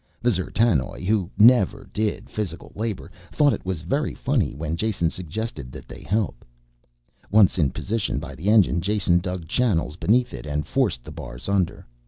The D'zertanoj, who never did physical labor, thought it was very funny when Jason suggested that they help. Once in position by the engine, Jason dug channels beneath it and forced the bars under.